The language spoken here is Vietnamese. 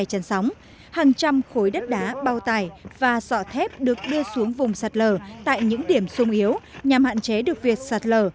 hàng trăm khối đất đá bao tải và sọ thép được đưa xuống vùng sạt lở tại những điểm sung yếu nhằm hạn chế được việc sạt lở